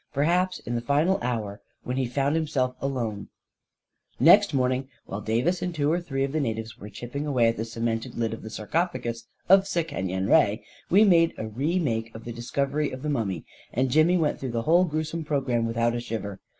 Perhaps, in the final hour, when he found himself alone ... Next morning, while Davis and two or three of the natives were chipping away at the cemented lid of the sarcophagus of Sekenyen Re, we made a re take of the discovery of the mummy, and Jimmy went through the whole gruesome programme with out a shiver.